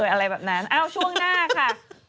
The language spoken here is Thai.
อะไรแบบนั้นเอ้าช่วงหน้าค่ะ